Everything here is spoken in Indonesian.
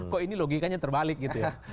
kok ini logikanya terbalik gitu ya